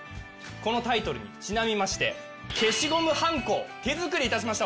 このタイトルにちなみまして消しゴムハンコを手作りいたしました